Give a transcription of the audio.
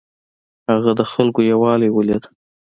هغه د خلکو یووالی ولید.